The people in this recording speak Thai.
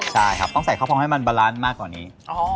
ใช่ครับต้องใส่ข้าวพองให้มันบาลานซ์มากกว่านี้